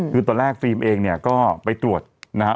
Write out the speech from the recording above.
คือตอนแรกฟิล์มเองเนี่ยก็ไปตรวจนะครับ